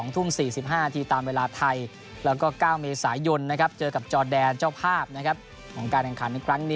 ๒ทุ่ม๔๕นาทีตามเวลาไทยแล้วก็๙เมษายนเจอกับจอแดนเจ้าภาพของการแข่งขันในครั้งนี้